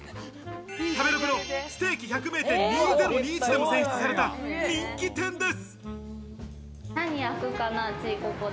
食べログのステーキ百名店２０２１でも選出された人気店です。